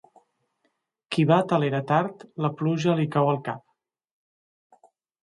Qui bat a l'era tard, la pluja li cau al cap.